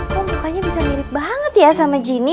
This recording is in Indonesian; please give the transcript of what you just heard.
kok mukanya bisa mirip banget ya sama jini